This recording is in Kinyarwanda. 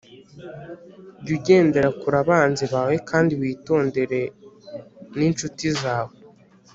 Jya ugendera kure abanzi bawe, kandi witondere n’incuti zawe